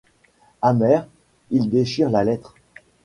Amer, il déchire la lettre.